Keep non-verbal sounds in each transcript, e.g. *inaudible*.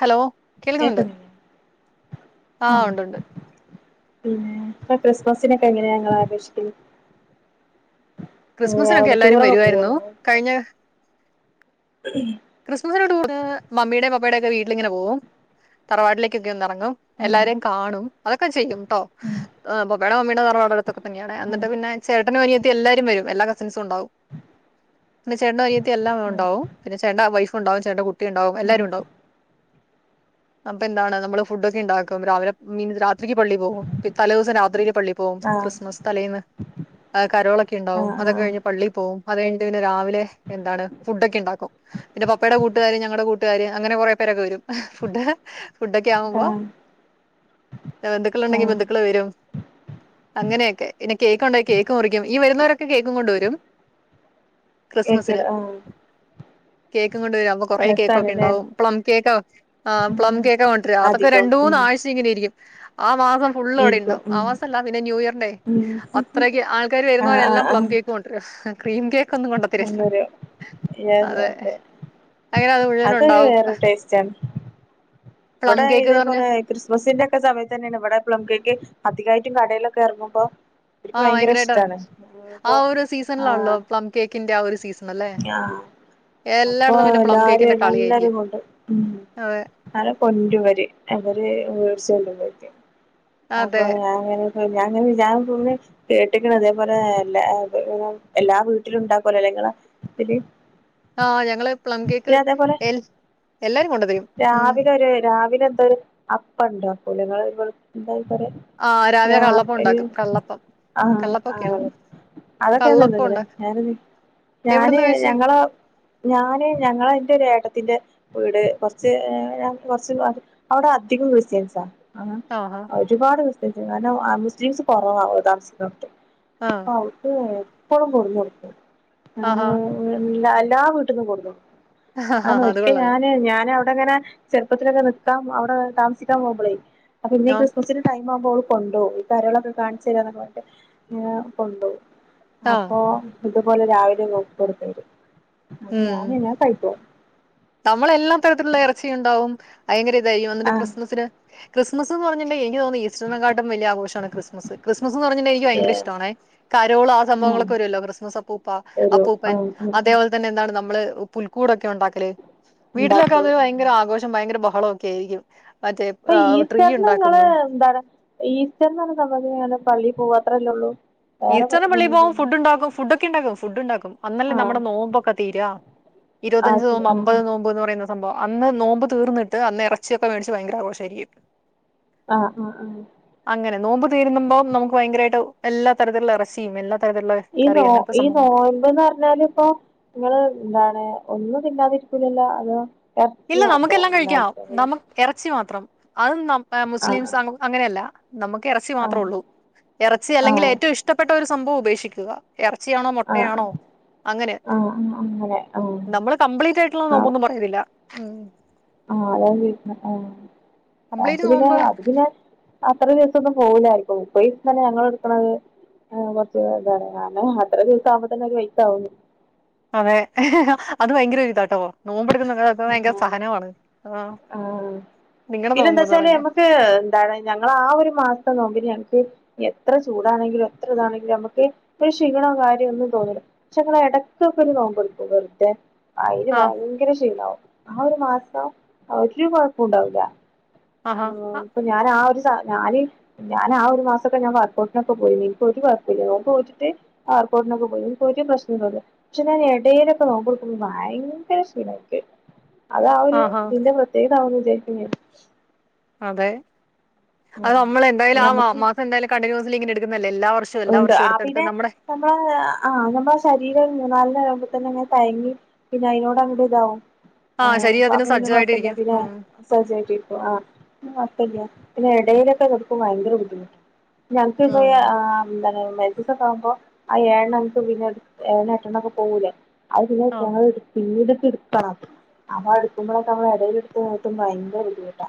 Hello കേൾക്കുന്നുണ്ട് കേക്കുന്നില്ലേ ആ ഉണ്ട് ഉണ്ട് ഉം അപ്പൊ ക്രിസ്മസിനൊക്കെ എങ്ങനെയാ ഇങ്ങൾ ആഘോഷിക്കല് ക്രിസ്മസിനൊക്കെ അവിടെ എല്ലാരും ടൂറൊക്കെ പോവോ വരുവായിരുന്നു കഴിഞ്ഞ *unintelligible* ക്രിസ്മസിനോടു കൂടെ മമ്മിടെം പപ്പായുടെ ഒക്കെ വീട്ടിലിങ്ങനെ പോകും തറവാട്ടിലേക്കൊക്കെ ഒന്ന് ഇറങ്ങും ഇങ്ങള് എല്ലാരേം കാണും അതൊക്കെ ചെയ്യുംട്ടോ ഉം പപ്പായുടെ മമ്മീടെം തറവാട് ഒക്കെ തന്നെയാണ് ഉം എന്നിട്ട് പിന്നെ ചേട്ടനും അനിയത്തി എല്ലാരും വരും എല്ലാ കസിൻസും ഉണ്ടാവും പിന്നെ ചേട്ടനിയ എല്ലാം ഉം ഉണ്ടാവും പിന്നെ ചേട്ടന്റെ വൈഫ് ഉണ്ടാവും ചേട്ടന്റെ കുട്ടി ഇണ്ടാവും ഉം ഉം എല്ലാരും ഇണ്ടാവും അപ്പൊ എന്താണ് നമ്മള് ഫുഡൊക്കെ ഇണ്ടാക്കും രാവിലെ മീൻസ് രാത്രിക്ക് പള്ളി പോവും തലേ ദിവസം രാത്രിയില് പള്ളി പോകും ആഹ് ക്രിസ്മസ് തലേന്ന് കരോളൊക്കെ ഉണ്ടാവും ആഹ് അതൊക്കെ ആഹ് കഴിഞ്ഞ് പള്ളി പോവും അത് കഴിഞ്ഞിട്ട് പിന്നെ രാവിലെ എന്താണ് ഫുഡ് ഒക്കെ ഉണ്ടാക്കും പിന്നെ പപ്പേടെ കൂട്ടുകാര് ഞങ്ങടെ കൂട്ടുകാര് അങ്ങനെ കൊറെ പേരൊക്കെ വരും ഫുഡ് ഫുഡൊക്കെ ആവ്മ്പോ ആഹ് ബന്ധുക്കളുണ്ടെങ്കി ആഹ് ബന്ധുക്കള് വരും അങ്ങനെയൊക്കെ പിന്നെ കേക്ക്ണ്ടേ കേക്ക് മുറിക്കും ഈ വരുന്നവരൊക്കെ കേക്കും കൊണ്ട് വരും എക്കട ആഹ് കേക്ക് കൊണ്ട് വരാ കൊറേ കേക്കൊക്കെ രസാണ്ല്ലേ ഇണ്ടാവും പ്ലം കേക്ക് ആ പ്ലം ഉം കേക്കാ കൊണ്ടരാ അതൊക്കെ അധികം രണ്ട് ഉം മൂന്നാഴ്ച ഇങ്ങനെരിക്കും ആഹ് മാസം ഫുള്ള് അഒടിം ആയിരിക്കും ഇണ്ടാവും ഉം ആവാസല്ല പിന്നെ ന്യൂ ഇയർ ഡേ ഉം അത്രക്ക് ആൾക്കാര് ആഹ് ആഹ് വരുന്നവരെല്ലാം പ്ലം ആഹ് കേക്ക് കൊ ക്രീം കേക്ക് ഒന്നും *unintelligible* നല്ലൊരു അത് *unintelligible* അതെ അങ്ങനെ അത് മുഴുവനും അതൊരു ഉണ്ടാവും. വേറെരു ടേസ്റ്റാണ്. പ്ലം ഇവടെ ഇതേ കേക്ക്ന്ന് പറഞ്ഞാ പോലെ ക്രിസ്മസിന്റെ ഒക്കെ സമയത്ത് തന്നെയാണ് ഇവടെ പ്ലം കേക്ക് അധികായിട്ടും കടേലൊക്കെ എർങ്ങുമ്പം ആ ഭയങ്കരായിട്ട ആ ഒരു സീസൺലാണല്ലോ ആഹ് പ്ലം കേക്കിന്റെ ആ ഒരു സീസ് *unintelligible* അപ്പൊ പിന്നെ പ്ലം എല്ലാരും കേക്കിന്റെ എല്ലാരും കളിയായിരിക്കും. കൊണ്ട് ഉം അതെ *unintelligible* അപ്പൊ അതെ ഞാൻ ഇങ്ങനെ *unintelligible* ഞാൻ പിന്നെ കേട്ട്ക്ക്ണ് അതേ പോലെ എല്ല *unintelligible* എല്ലാ വീട്ടിലും ഇണ്ടാക്കല്ലോലേ ഇങ്ങളെ *unintelligible* ആ ഞങ്ങള് പ്ലം കേക്ക് പിന്നെ അതേപോലെ എൽ എല്ലാരും കൊണ്ട് തരും രാവിലെ ഒര് രാവിലെ എന്തോ ഒര് അപ്പ ഇണ്ടാക്കുലേ ഇങ്ങളെ *unintelligible* എന്താ അയ്ന് പറയാ? ആഹ് രാവിലെ രാ കള്ളപ്പം ഒര് ഉണ്ടാക്കും കള്ളപ്പം ആ ആ കള്ളപ്പൊക്കെയാണോ? *unintelligible* അതക്കെ ഞാൻ കള്ളപ്പം തിന്ന്ക്ക്ണ് ഉണ്ടാ *unintelligible* ഞാന് എവിടുന്ന് കഴിച്ച്? ഞങ്ങള *unintelligible* ഞാന് ഞങ്ങള ഇന്റെ ഒരു ഏട്ടത്തിന്റെ വീട് കൊർച്ച് ഏ കൊർച്ച് അഒടെ അധികം ക്രിസ്ത്യൻസാ *unintelligible* ആഹാ ഒരുപാട് ക്രിസ്ത്യൻസ് കാരണം അ മുസ്ലിംസ് കൊറവ താമസിക്കുന്നോട്ത്ത് ആഹ് *unintelligible* ആഹാ അങ്ങനെ *unintelligible* ല്ല എല്ലാ വീട്ട്ക്കും കൊടുക്കും ആഹാ, അങ്ങനെ അത് ഒരിക്കേ കൊള്ളാല്ലേ ഞാന് ഞാനവ അങ്ങനെ ചെർപ്പത്തിലൊക്കെ ന്ന്ക്കാം അവടെ താമസിക്കാൻ പോകുമ്പളേ അപ്പ *unintelligible* ആഹ് ക്രിസ്മസിന് ടൈം ആവുമ്പം ഓള് കൊണ്ടോവും ഈ കരളൊക്കെ *unintelligible* ഏ കൊണ്ടോവും. ആഹ് അപ്പൊ ഇതുപോലെ രാവിലെ *unintelligible* തമ്മളെല്ലാ തരത്തിലുള്ള എറച്ചിം ഇണ്ടാവും. ഭയങ്കര ഇതയ്യും ഇന്നട്ട് ആ ക്രിസ്മസിന് ക്രിസ്മസ് എന്ന് പറഞ്ഞിണ്ടേ എനിക്ക് തോന്ന് ഇ വിഷുണക്കാട്ടിം വല്യ ആഘോഷാണ് ക്രിസ്മസ്. ക്രിസ്മസ് എന്ന് പറഞ്ഞിണ്ടേ എനിക്ക് ഭയങ്കര യെസ് ഇഷ്ടാണേ. കരോള ആ സംഭവങ്ങളൊക്കെ വരല്ലോ ക്രിസ്മസ് അപ്പൂപ്പ തരും ആ അപ്പൂപ്പൻ ആ അതേ പോൽ തന്നെ എന്താണ് നമ്മള് പുൽക്കൂടൊക്കെ ഉണ്ടാക്കല് വീട്ടിലക്കെ ഉണ്ടാക്കും അത് ഭയങ്കര ആഘോഷം ഭയങ്കര ബഹളൊക്കെ ആയിരിക്കും മറ്റേ ഇപ്പ ട്രീ ഈസ്റ്റർന് ഇങ്ങള് ഉണ്ടാക്കുന്നു. എന്താണ് ഈസ്റ്റർന് *unintelligible* പള്ളി പോക അത്രല്ലേള്ളൂ. ഈസ്റ്റർന് പള്ളി പോവും ഫുഡ് ഇണ്ടാക്കും ഫുഡ് ക്കെ ഇണ്ടാക്കും ഫുഡ് ഇണ്ടാക്കും അന്നല്ലെ ആഹ് നമ്മുടെ നോമ്പൊക്കെ തീരാ ആഹ് ഇരുപത്തഞ്ച് ശരി നോമ്പ് അമ്പത് ആഹ് നോ മ്പ് പറയുന്ന സംഭം അന്ന് നോമ്പ് തീർന്ന്ട്ട് അന്ന് എറച്ചിയൊക്കെ മേടിച്ച് ഭയങ്കര ആഘോഷായിരിക്കും. ആഹ് ആഹ് ആഹ് അങ്ങനെ നോമ്പ് തീരുമ്പം നമുക്ക് ഭയങ്കരായിട്ട് എല്ലാ തരത്തിലുള്ള എറച്ചിയും എല്ലാ തരത്തിലുള്ള ഈ കറി നോ അങ്ങനത്തെ ഈ സംഭവങ്ങളൊക്കെ നോയമ്പ്ന്ന് പറഞ്ഞാല് ഇപ്പോ നിങ്ങള് എന്താണ് ഒന്നും തിന്നാതിരിക്കൂലല്ലോ അതോ എറച്ചി മാത്രം തിന്നാതിരിക്കല് ലേ എറച്ചി മാത്രം അതും ആഹ് മുസ്ലിംസ് അങ്ങനെയല്ല നമുക്ക് ഇറച്ചി മാത്രേ ആഹ് ഉള്ളൂ. ഇറച്ചി അല്ലെങ്കിൽ ആഹ് ഏറ്റവും ഇഷ്ടപ്പെട്ട ഒരു സംഭവം ഉപേക്ഷിക്കുക എറച്ചിയാണോ ആഹ് മൊട്ടയാണോ അങ്ങനെ ആഹ് ആഹ് അങ്ങനെ ആഹ് നമ്മള് കംപ്ലീറ്റായിട്ടുള്ള ആഹ് നോമ്പൊന്നും പറയണില്ല ഉം ആഹ് അതാണ് *unintelligible* ആഹ് അത് കംപ്ലീറ്റ് പിന്നെ നോമ്പ് അത് പിന്നെ അത്രയും ദിവസൊന്നും പോവൂലായിരിക്കും ട്രീറ്റ്മെന്റ് നടന്നോണ്ടിരിക്കണത് ആഹ് കൊർച്ച ഒരു ഇതാണ്, കാരണം അത്ര ദിവസാവുമ്പ തന്നെ ഒരു വയിക്കാവും അതെ അത് ഭയങ്കര ഇതാട്ടോ നോമ്പെടുക്കുന്ന ആഹ് ആഹ് നിങ്ങടെ നോമ്പെന്ന് ഇതെന്താച്ചാല് പറയുന്നേ നമ്മക്ക് ഇതാണ്, ഞങ്ങള് ആ ഒരു മാസ്ത്തെ നോമ്പ്ന് ഞങ്ങക്ക്. എത്ര ചൂടാണെങ്കിലും എത്ര ഇതാണെങ്കിലും നമുക്ക് ഒരു ക്ഷീണോ കാര്യോ ഒന്നും തോന്നൂല പക്ഷെ ഇങ്ങള് എടയ്ക്കൊക്കെ ഒരു നോമ്പ് ഇട്ക്കും വെർതെ അയിന് ആ ഭയങ്കര ക്ഷീണാവും ആ ഒരു മാസം ഒരു കൊഴപ്പോം ഉണ്ടാവില്ല ആഹാ ഹ അപ്പൊ ഞാൻ ആ ഒരു സാഹചര്യം ഞാൻ ആ ഒരു മാസൊക്കെ ഞാൻ വർകൗട്ടിനൊക്കെ പോയിരുന്നു എനിക്ക് ഒരു കൊഴപ്പുല്ല നോമ്പ് നോറ്റ്ട്ട് ആർക്കോട്ടിനൊക്കെ പോയിനി എനിക്ക് ഒരു പ്രശ്നൊന്നല്ല പക്ഷെ ഞാൻ എടയിലൊക്കെ നോമ്പ് എടുക്കുമ്പോ ഭയങ്കര ക്ഷീണായിരിക്കും. അതാ ആ ഒര് ആഹാ ഇതിന്റെ പ്രത്യേകത ആവുന്ന് വിചാരിക്കും *unintelligible* അതെ അത് ഉം നമ്മൾ എന്തായാലും ആ മാ ഞമ്മക്ക് മാസം എന്തായാലും കണ്ടിന്യൂസിൽ ഇങ്ങനെ ഇടുക്കുന്നല്ലേ എല്ലാ വർഷ എല്ലാ ഉണ്ട് വർഷും ആ എടുത്ത് എടുത്ത് പിന്നെ നമ്മുടെ നമ്മളെ ആ നമ്മളെ ശരീരം മൂന്നാലെണ്ണം ആവുമ്പോ തന്നെ ഇങ്ങനെ തഴങ്ങി പിന്നെ അയ്നോടങ്ങട്ട്താവും ആ ഏഹ് ശരീരം അപ്പ അതിന് പിന്നെ കൊഴ്പ്പല്ല്യാ സജ്ജമായിട്ടിരിക്കും പിന്നേ ഉം. സഹജായ്ട്ടിരിക്കും ആഹ് മട്ടല്ല്യാ പിന്നെ എടേലൊക്കെ ന്ക്കും ഭയ്ങ്കര ബുദ്ധിമുട്ട് ഞങ്ങ്ക്ക് ഇപ്പ ഇ ഉം. ആഹ് ന്താണ് മെൻസസൊക്കെ ആവുമ്പൊ ആ ഏഴെണ്ണം അൻക്ക് പിന്നെ ഏഴെണ്ണം എട്ടെണ്ണാെക്കെ പോവൂലെ അത് പിന്നെ ആ ഖളാഅ് വീട്ട് പിന്നീട്ത് ഇട്ക്കണം അപ്പൊ അത് ഇട്ക്കുമ്പം തന്നെ മ്മള് എടേല് ഇട്ത്ത് വീട്ടും ഭയ്ങ്കര ബുദ്ധിമുട്ടാ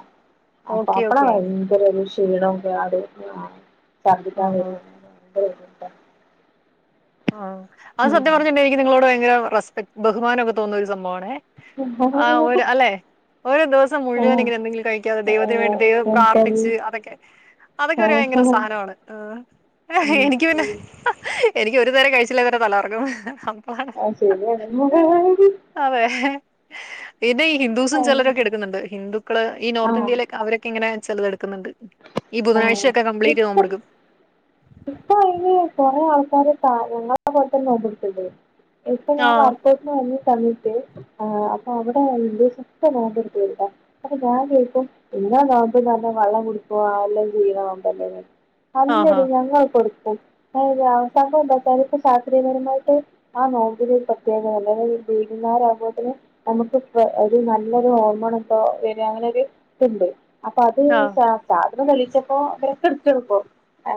അപ്പ ഓക്കെ അപ്പളാ ഓക്കെ ഭയ്ങ്കരാെരു ക്ഷീണും രാവിലെ ഒക്കെ ഛർദിക്കാൻ ആഹാ. വെരും ഭയ്ങ്കര ബുദ്ധിമുട്ടാ ആഹ് അത് സത്യം പറഞ്ഞ്ണ്ടെങ്കി എനിക്ക് നിങ്ങളോട് ഭയ്ങ്കര റെസ്പെക് ബഹുമാനൊക്കെ തോന്നുന്ന ഒരു സംഭവാണേ ആഹ് ഭയങ്കര ബുദ്ധിമുട്ടാ ഒര് അല്ലേ ഒരാ ദ്‌വസം ആഹ് മുഴുവനിങ്ങെനെ എന്തെങ്കിലും കഴിക്കാതെ ദൈവത്തിന് വേണ്ടി ദൈവം ആഹ് പ്രാർത്ഥിച്ച് എനിക്കത് അതൊക്കെ അതൊക്കെ ഒരു ആഹ് ഭയ്ങ്കര സാനമാണ് ഏഹ് ഉം എനിക്ക് പിന്നെ യ്ക്ക് ഒര് നേരം കഴിച്ചില്ലെ തന്നെ തല കറങ്ങും അം ആഹ് ശര്യാണ് അതെ ഇത് ഹിന്ദൂസും ചെലരൊക്കെ എട്ക്ക്ന്ന്ണ്ട് ഹിന്ദുക്കള് ഈ നോർത്ത് ആഹ് ഇന്ത്യയിലൊക്കെ അവര് ക്കിങ്ങെനെ ചെലെതെട്ക്ക്ന്ന്ണ്ട് ആഹ് ഇപ്പം ഇപ്പൊ അയ്ന് കൊറേ ആൾക്കാര് ക ഞങ്ങളെ പോൽതന്നെ നോമ്പ്ട്ക്ക്ണ്ട് ഇപ്പൊ ഞാൻ വ ആഹ് വന്ന സമയത്ത് ആഹ് അപ്പൊ അവ്ടെ ഹിന്ദുസൊക്കെ നോമ്പെട്ത്തീൺട്ടാ അപ്പം ഞാൻ ചോദിക്കും ഇങ്ങളെ നോമ്പ്ന്നർഞ്ഞാ വള്ളം കുടി പ്പൊ ആല്ലാം ചെയ്യണ നോമ്പന്നല്ലെ ആഹാ അല്ലെടീ ഞങ്ങളൊക്കൊട് ക്കും അതല്ലാ സംഭവെന്താച്ചാല് ഇപ്പം ശാസ്ത്രീയ പരമായ്ട്ട് ആഹ് നോമ്പിന് ഒരു പ്രത്യേകതല്ലേ വെയ്കുന്നാരാവുമ്പോത്ത്ന് നമുക്ക് പ്പൊ ഒരു നല്ലൊരു ഹോർമോണാക്കാ വെരും അങ്ങനൊര് ത്ണ്ട് അപ്പൊ അത് ആഹ് ശാ ശാസ്ത്രം തെളിയിച്ചപ്പോ അവരൊക്കെട്ക്കാണ്പ്പോ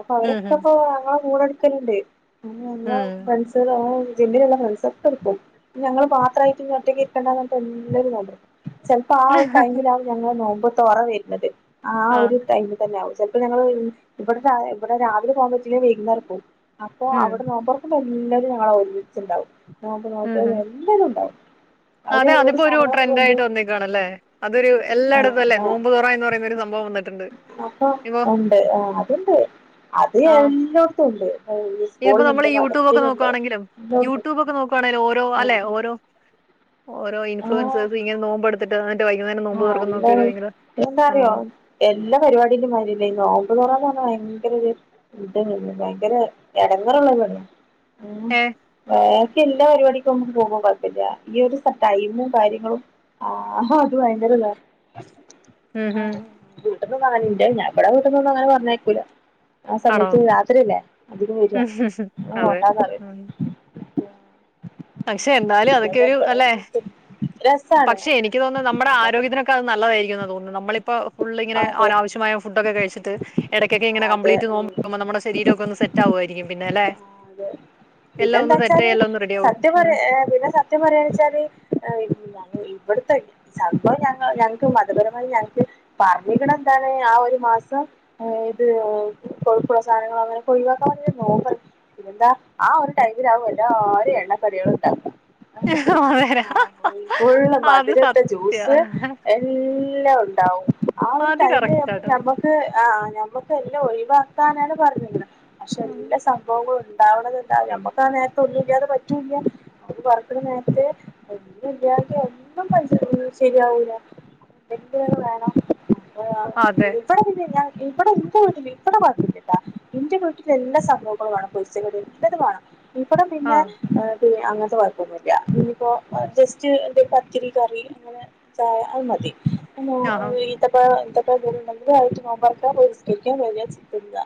അപ്പൊ ഉം ഹും അവരൊക്കെപ്പോ ഞങ്ങെളെ കൂടെട്ക്കെല്ണ്ട് *unintelligible* ള് ഉം ഫ്രൺസ് *unintelligible* ജിമ്മ്ല്ള്ള ഫ്രൺസൊക്കട്ക്കും ഞങ്ങള് മാത്രായിറ്റ് ഒറ്റക്ക് ഇര്ക്കണ്ടാന്നർഞ്ഞ്ട്ട് എല്ലരും നോമ്പ്ട്ക്കും ചെൽപ്പം ആ ഒരു ടൈമിലാവും ഞങ്ങളെ നോമ്പ് തൊറ വെര്ണെത് ആ ആഹ് ഒരു ടൈമി തന്നാവും ചെൽപ്പം ഞങ്ങള് ഇവടെ താഴെ ഇവടെ രാവിലെ പോവാം പറ്റീല്ലെ വെയ്കുന്നാരം പോവും അപ്പൊ ഉം അവടെ നോമ്പർക്കുമ്പം എല്ലരും ഞങ്ങളൊര്മിച്ച്ണ്ടാവും നോമ്പ് ഉം നോറ്റോരും ഹും എല്ലരുണ്ടാവും അതെ അതിപ്പൊരു ട്രെൻഡായിട്ട് വന്നേക്കുവാണല്ലേ അതൊരു ആഹ് എല്ലാടെത്തും അല്ലേ നോമ്പ്തൊറ എന്ന് പറയുന്നൊരു സംഭവം വന്ന് അപ്പൊ ഉണ്ട് ആഹ് അത്ണ്ട് അത് എല്ലാേട്ത്തൂണ്ട് പിന്നെപ്പ നമ്മള് യൂടൂബൊക്കെ നോക്കുവാണെങ്കിലും എല്ലോട്ത്തും യൂടൂബൊക്കെ നോക്കുവാണേലും ഓരോ അല്ലെ ആഹ് ഓരോ ഓരോ ആഹ് ഇൻഫ്ലുവൻസേഴ്സ് ഇങ്ങെനെ നോമ്പെട്ത്തിട്ട് അന്നെട്ട് വൈക്ന്നേരം നോമ്പ് ആഹ് തൊറക്കുന്നൊക്കെ എന്താണ് വയ്ങ്കര എന്താ അറിയോ ഉം എല്ലാ പരിവാടിന്റിം മായ്‌രി അല്ല ഇ നോമ്പ് തൊറാന്ന് പർഞ്ഞാ വയങ്കരൊര് യുദ്ധം കെയ്ഞ്ഞു ഭയ്ങ്കെര എടെങ്ങേറ്ള്ളൊരു പണിയാ ഉം ഏഹ് ബാക്കി എല്ലാ പരിവാടിക്കും മ്മക്ക് പോവ്മ്പം കൊയ്പ്പെല്ലാ ഈ ഒരു സ ടൈമും കാര്യങ്ങളും ആഹ് അത് വയ്ങ്കര താ ഉം ഹും ആഹ് വീട്ട്ന്നൊന്നു അങ്ങെനെ ൻ്റെ ഞങ്ങളെ വീട്ട്ന്നൊന്നു അങ്ങെനെ പർഞ്ഞയ്ക്കൂലാ ആ ആണോ സമയത്തും രാത്ര്യെല്ലേ അതൊരു പേട്യാ മ്മ അതെ പോണ്ടാന്നറയും ഉം പക്ഷെ എന്നാലും പിന്നെ അതൊക്കെ ഒരു ഇവിടെ അല്ലെ വന്നിട്ട് രസാണ് പക്ഷെ എനിക്ക് തോന്ന്ന്നു നമ്മടെ നമ്മക്ക് ആരോഗ്യത്തിനൊ ക്കത് നല്ലതായിരിക്കുന്ന തോന്ന് നമ്മളിപ്പൊ ഫുള്ളിങ്ങെനെ അതെ അനാവശ്യമായ ഫുഡ്ഡാെക്കെ കെഴ്ച്ച്ട്ട് എടെക്കെക്കെ ഇങ്ങെനെ അതെ കമ്പ്ലീറ്റ് ഉം നോമ്പ് മ്പം നമ്മ്ടെ ശരീരൊക്കൊ ഒന്ന് സെറ്റാവുവായിരിക്കും പിന്നേ ലേ ഇതെന്താച്ചാല് ഒന്ന് റെഡിയാവും സത്യം പറ ഉം ഏഹ് പിന്നെ സത്യം പറയാണ്ച്ചാല് എ ഇവ്ട്ത്തെയ് സംഭവം ഞങ്ങൾ ഞങ്ങക്ക് മതപരമായി ഞങ്ങക്ക് പർഞ്ഞിക്ണെന്താണ് ആ ഒരു മാസം. *unintelligible* കൊഴ്പ്പ്ള്ള സാനങ്ങൾ, അങ്ങനൊക്കെ ഒഴിവാക്കാന് നോ പിന്നെന്താ ആ ഒരു ടൈമിലാവു എല്ലാരു എണ്ണക്കടിയേള് ഇണ്ടാക്ക. *unintelligible* അതേടാ ഫുള്ള് അത് മധ്‌രട്ട സത്യാ ജ്യൂസ് എ എല്ലോ ഉണ്ടാവും ആ ഒരു അത് ടൈമിൽ ഞമ്മള് കറക്റ്റാട്ടോ ഞമ്മ ആ ഞമ്മക്ക് എല്ല ഒഴിവാക്കാനാണ് പറഞ്ഞ്ണ്ണ് പക്ഷെ എല്ല സംഭവ ഇണ്ടാവണത് ഇണ്ടാവും ഞമ്മക്കാ ആ നേരത്തെൊന്നുല്ല്യാതെ പറ്റൂല്ല്യ. നോമ്പ് തൊറക്ക്ണ നേര്ത്ത് ഒന്നുല്ലാഞ്ഞിട്ട് ഒന്നും *unintelligible* ശരിയാവൂല. എന്തെങ്കിലും വേണം മക്കള് ആ അതെ മുന്തിരി ബടെ ഒന്നും തിന്നാ ഇബടെ ൻ്റെ വീട്ടില് ഇബടെ കൊഴ്പ്പല്ല ട്ടൊ. ന്റെ വീട്ടില് എല്ലാ സംഭവങ്ങളും വേണം, പൊര്ച്ച കടി എല്ലതും വേണം ഇബടെ പിന്നെ ആഹ് ഏഹ്, പിന്നെ അങ്ങൻത്തെ കൊഴ്പ്പൊന്നുല്ല ഇഞ്ഞിപ്പോ ജസ്റ്റ് എന്തേലും പത്തിരി കറി അങ്ങനെ ചായ അഹ് മതി മു ആഹ് *unintelligible* എന്തേലും ഉണ്ടകിൽ അതേറ്റ് നോമ്പർക്കാ പോയി നിസ്‌കരിക്കാ വരാ തിന്ന.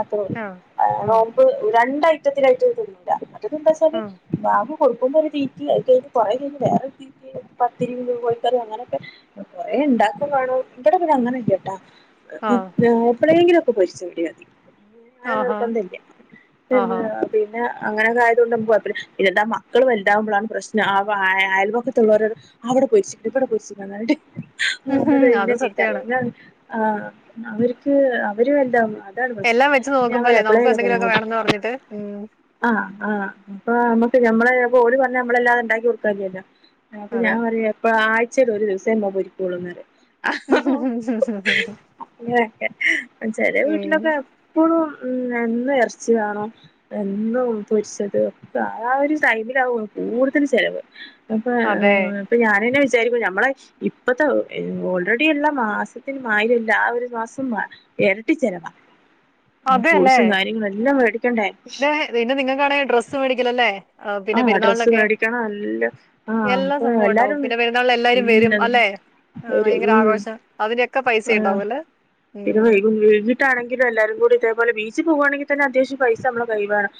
അത്രൊള്ളു ആഹ് നോമ്പ് രണ്ട് ഐറ്റത്തിനായിട്ടൊന്നും തിന്നൂല മറ്റെതെന്താച്ചാല് ഉം വാ തൊർക്കുമ്പൊരു തീറ്റി അഹ് കെയ്ഞ്ഞ് കൊറെ കെയ്ഞ്ഞ് വേറൊരു തീറ്റി പത്തിരിം കോഴിക്കറി അങ്ങനക്കെ. അ കൊറേണ്ടാക്കും വാണോ, ഇവടെ പിന്നെ അങ്ങനെല്ലട്ട ആഹ് എപ്പളേങ്കിലോക്കെ പൊരിച്ച കടി മതി. അങ്ങനെ ആഹാ നിർബന്ധല്ല. ആഹാ പിന്നെ അങ്ങനെയൊക്കെ ആയതോണ്ട് നമുക്ക് കൊഴ്പ്പല്ല. പിന്നെന്ത മക്കള് വൽതാവുമ്പളാണ് പ്രശനവാ അയൽവക്കത്തുള്ളോരൊ അവടെ പൊരിച്ച്ക്ക്ണ് ഇവടെ പൊരിച്ച്ക്ണ് പറഞ്ഞാണ്ട് ഉം. അങ്ങനെ അത് ചി സത്യാണ് യാണ്. ആഹ് അവര്ക്ക് അവര് വൽതാവുന്ന അപ്പയാണ് പ്രശ്നം. എല്ലാം വെച്ച് ഞാൻ നോക്കുമ്പോല്ലേ നമുക്കും എന്തെങ്കിലുമൊക്കെ പറിം വേണംന്ന് *unintelligible* പറഞ്ഞിട്ട് ഉം ആഹ് ആഹ്. അപ്പാ അമ്മക്ക് ഞമ്മളെ അപ്പ ഓല് പറിനെ നമ്മളെല്ലാതെ ഇണ്ടാക്കി കൊടുക്കാല്ല്യല്ലോ. ആഹ് അപ്പ അതെ. ഞാൻ പറയു എപ്പഴാ ആഴ്ച്ചേല് ഒരു ദിവസേ എണ്ണ പൊരിക്കൊള്ളൂ പറിം. അങ്ങനൊക്കെ. ചെലേ ഉം വീട്ടിലൊക്കെ എപ്പൊളും ഉം എന്നു എർച്ചി വേണം. എന്നും പൊരിച്ചത്. അപ്പ ആ ഒരു ടൈമിലാവും കൂടുതല് ചെലവ്. അപ്പ. അതെ. ഏ. ഞാനെന്നെ വിചാരിക്കും, ഞമ്മളെ ഇപ്പത്തെ ഓൾറെഡി, ബാക്കിയുള്ള മാസത്തിന് മാതിരിയല്ല ആ ഒരു മാസം. ഇരട്ടി ചെലവാ. അതെല്ലേ? ഫ്രൂട്ട്സും കാര്യങ്ങളും എല്ലാം വേടിക്കണ്ടേ. പിന്നെ പിന്നെ നിങ്ങക്കാണെങ്കിൽ ഡ്രസ്മേടിക്കലെല്ലേ. ആ പിന്നെ ഡ്രസ്സ് പെരുന്നാളിലൊക്കെ, മേടിക്കണം എല്ലാം ആ എല്ലാ അപ്പൊ സംഭവം ഉണ്ടാവും എല്ലാരും പിന്നെ പെരുന്നാളിൽ എല്ലാരും വരും ഉം അല്ലെ. ആഹ ഒരു ഭയങ്കര ഉം ആഘോഷം അതിനൊക്കെ പൈസ ആ ഉണ്ടാവും അല്ലേ. പിന്നെ വൈകിട്ടാെണെങ്കിലും എല്ലാരും കൂടി ഇതേപോലെ ബീച്ചു പോകുവാണെങ്കിൽ തന്നെ അത്യാവശ്യം പൈസ നമ്മള് കയ്യിൽ വേണം.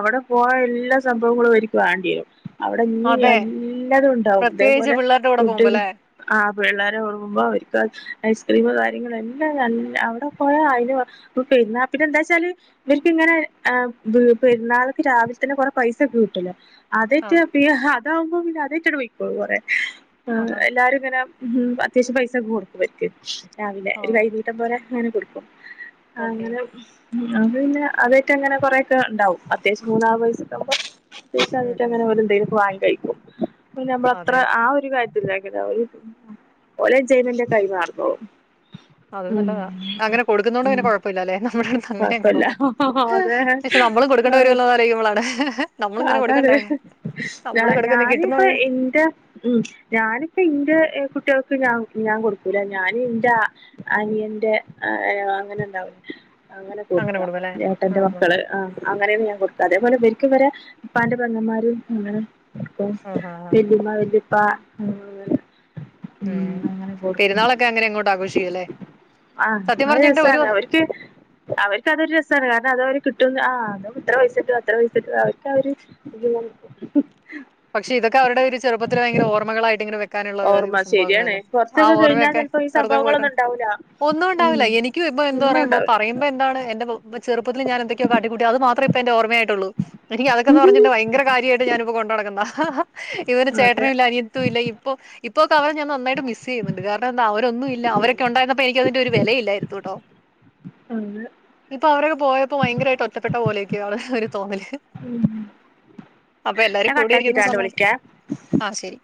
അവിടെ പോയ എല്ലാ സംഭവങ്ങളും ഇവർക്ക് വേണ്ടി വരും. അവിടെ ഇനി അതെ. എല്ലാതും ഉണ്ടാവും. പ്രത്യേകിച്ച് ഇതേപോലെ പിള്ളേരുടെ കൂടെ ഫുഡ്. പോകുമ്പോല്ലേ? ആഹ് പിള്ളേരെ ഓടുങ്ങുമ്പോ അവർക്ക് ഐസ്ക്രീം കാര്യങ്ങളും എല്ലാം നല്ല അവിടെ പോയാ അതിന് പെരുന്നാൾക്ക്, പിന്നെ എന്താെച്ചാല് ഇവർക്ക് ഇങ്ങനെ പെരുന്നാൾക്ക് രാവിലെ തന്നെ കൊറെ പൈസ *unintelligible* അതേറ്റ ആഹ് അതകുമ്പോ പിന്നെ അതേറ്റാണ്ട് പോയിക്കോളും കൊറേ.. ആ ആഹാ എല്ലാരും ഇങ്ങനെ അത്യാവശ്യം പൈസ ഒക്കെ കൊടുക്കും ഇവർക്ക് രാവിലെ ഒരു ആഹ് കൈനീട്ടം. ഇഷ്ട്ടം പോലെ അങ്ങനെ കൊടുക്കും. ഓക്കെ. അങ്ങനെ ഉം അത് പിന്നെ അതായിട്ട അങ്ങനെ കൊറെക്കെ ഉണ്ടാവും അത്യവശ്യം മൂന്നാ വയസ്സ ആവുമ്പോ ഉം തീർച്ചഞ്ഞിട്ട് ഉം അങ്ങനെ ഉം ഒരു എന്തങ്കിലും വാങ്ങി കഴിക്കും പിന്നെ നമ്മളത്ര അതെ അഹ് ഒരു കാര്യത്തില് ഓലെ ജൈമന്റെ കൈ മാറിക്കൊള്ളും അത് നല്ലതാ അങ്ങനെ കൊടുക്കുന്ന കൊണ്ട് ഉം അങ്ങനെ കുഴപ്പമില്ലല്ലെ നമ്മുടെ തന്നെ *unintelligible* ആതെ ആലോചിക്കുമ്പോളാണ് നമ്മളിങ്ങനെ അതാണ് കൊടുക്കണ്ടേ ഞാൻ നമ്മള് കൊടുക്കുന്ന കിട്ടുന്ന ഞാനിപ്പൊ വഴി എന്റെ ഉം ഞാനിപ്പ ഇന്റെ കുട്ടികൾക്ക് ഞാൻ ഞാൻ കൊടുക്കൂല ഞാൻ ഇന്റെ അനിയന്റെ ആ അങ്ങനെ ഉണ്ടാവ അങ്ങനെ കൊടുക്ക കൊടുക്കുംല്ലേ ഏട്ടന്റെ ആഹാ മക്കള് ആഹ് അങ്ങനെയൊന്നെ കൊടുക്ക അതേപോലെ വക്ക് വരെ ഇപ്പാന്റെ പങ്ങമാരും അങ്ങ *inaudible* ഇപ്പ ആഹാ ആഹാ വല്ലയമ്മ വല്യപ്പ ഉം ഉം അങ്ങനെ കൊടുക്കും പെരുന്നാളൊക്കെ അങ്ങനെ അങ്ങോട്ട് ആഘോഷിക്കുംല്ലേ അഹ് സത്യം അ പറഞ്ഞിട്ടുണ്ട് ഒരു രസാണ് വർ- അവര് അവർക്ക്തൊരു രസമാണ് കാരണം അത് അവര് കിട്ട ആഹ് അ ഇത്ര പൈസട്ടും അത്ര പൈസും അവ *unintelligible* പക്ഷെ ഇതൊക്കെ അവരുടെ ഒരു ചെറുപ്പത്തിലേ ഭയങ്കര ഓർമ്മക്‌ളായിട്ട് കാനുള്ള ഓർമ്മ ശരിയാണ് സംഭവങ്ങളല്ലേ കൊറച്ചൊക്കെ ആഹ് കഴിഞ്ഞാൽ ഓർമ്മയൊക്കെ ചെലപ്പോ ഈ വെറുതെ പോയിട്ട സംഭവങ്ങളൊന്നും ഉണ്ടാവൂല ഒന്നും ഉം ഉണ്ടാവില്ല എനി നിക്ക് ഇപ്പൊ എന്ത് ഒന്നും പറയ്പോ ഉണ്ടാവൂല പറയ്പോ എന്താണ് എന്റെ ചെറുപ്പത്തി ഞാൻ എന്തക്കെയോ കട്ടിക്കൂട്ടിയ അത് മാത്രേ ഇപ്പ എന്റെ ഓർമ്മയായിട്ടുള്ളൂ എനിക്ക് അതൊക്കെന്ന് പറഞ്ഞട്ട് ഭയങ്കര കാര്യമായിട്ട ഞാനിപ്പോ കൊണ്ട നടക്കുന്ന ഇവന് അതെ ചേട്ടനും അതെ ഇല്ല അനിയത്തും ഇല്ല ഇപ്പൊ ഇപ്പൊക്കെ അവരെ ഞാൻ നന്നായിട്ട് മിസ് ചെയ്യുന്നുണ്ട് കാരണം ന്താ അവരൊന്നും ഇല്ല അവരൊക്കെ ഉണ്ടായിരന്നപ്പോ എനിക്ക അതിന്റെ ഒരു വിലയില്ലായിരുന്നു ട്ടോ ഇപ്പൊ അവരൊക്കെ പോയ ഇപ്പോ ഭയങ്കരമായിട്ട് ഒറ്റപ്പെട്ട പോലെയൊക്കെയാണ് ഒരു തോന്നല് ഉം അപ്പൊ എല്ലരും ഞാൻ ഇരിക്കുന്ന കട്ടാക്കിട്ടാണ്ട് സമയം വിളിക്കേ ആഹ് ശരി